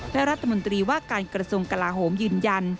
และรัฐมนตรีว่าการกระทรวงกลาโหมยืนยัน